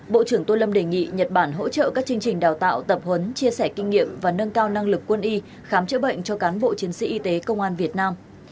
bộ trưởng tô lâm đề nghị nhật bản hỗ trợ các chương trình đào tạo tập huấn chia sẻ kinh nghiệm và nâng cao năng lực quân y khám chữa bệnh cho cán bộ chiến sĩ y tế công an việt nam